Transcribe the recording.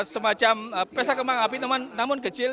semacam pesta kembang api namun kecil